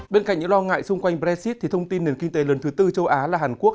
bên cạnh những lo ngại xung quanh brexit thì thông tin nền kinh tế lớn thứ tư châu á là hàn quốc